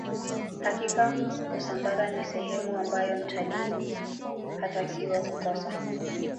hakika usambara ni sehemu ambayo mtalii hatakiwa kukosa